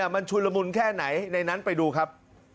มันชุนละมุนแค่ไหนในนั้นไปดูครับ